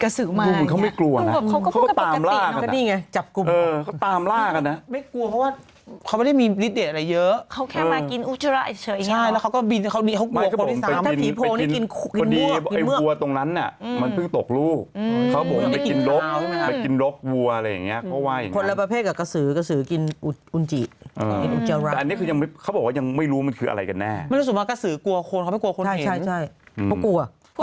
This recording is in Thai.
ตามล่ากันนะไม่กลัวเพราะว่าเขาไม่ได้มีนิดเดียวอะไรเยอะเขาแค่มากินอุจจาระเฉยเฉยใช่แล้วเขาก็บินเขากลัวคนที่สามถ้าถี่โพงนี้กินกินเมือกกินเมือกพอดีไอ้วัวตรงนั้นน่ะมันเพิ่งตกลูกเขาบอกไปกินรกไปกินรกวัวอะไรอย่างเงี้ยก็ว่าอย่างนั้นคนละประเภทกับกระสือกระสือกินอุจจิอันนี้คือยังไม่เขาบอกว